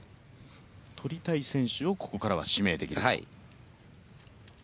取りたい選手をここからは指名できると。